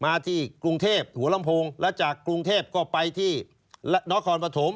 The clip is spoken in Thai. มาที่กรุงเทพหัวลำโพงแล้วจากกรุงเทพก็ไปที่นครปฐม